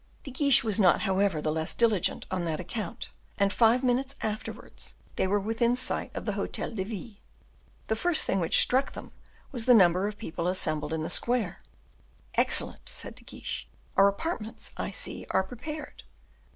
De Guiche was not, however, the less diligent on that account, and five minutes afterwards they were within sight of the Hotel de Ville. The first thing which struck them was the number of people assembled in the square. "Excellent," said De Guiche; "our apartments, I see, are prepared."